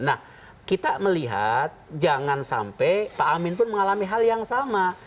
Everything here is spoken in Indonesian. nah kita melihat jangan sampai pak amin pun mengalami hal yang sama